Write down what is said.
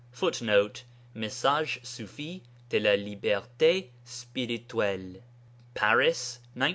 [Footnote: Message Soufi de la Liberté Spirituelle (Paris, 1913).